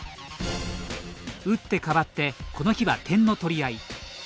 打って変わってこの日は点の取り合い。